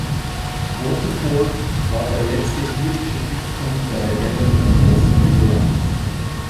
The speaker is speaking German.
Waterford war der letzte irische Stützpunkt der Rebellen im Osten Irlands.